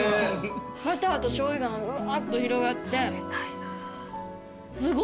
バターとしょうゆがうわーっと広がって。